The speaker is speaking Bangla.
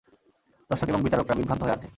দর্শক এবং বিচারকরা বিভ্রান্ত হয়ে আছেন।